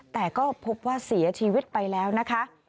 แต่ก็พบว่าเสียชีวิตไปแล้วนะคะ